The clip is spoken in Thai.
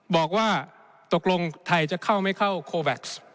บอกว่าตกลงไทยจะเข้าไม่เข้าโคแว็กซ์